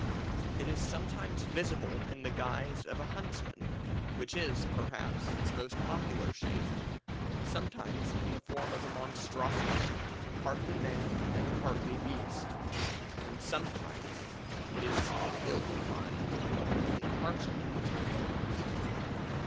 It is sometimes visible in the guise of a huntsman which is, perhaps, its most popular shape sometimes in the form of a monstrosity, partly man and partly beast and sometimes it is seen ill defined and only partially materialized.